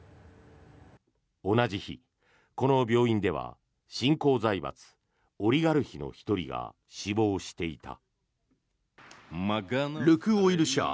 同じ日、この病院では新興財閥オリガルヒの１人が死亡していた。